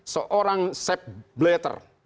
seorang seth blatter